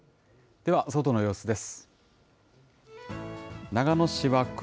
では外の様子です。